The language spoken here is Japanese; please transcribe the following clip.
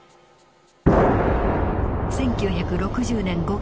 １９６０年５月。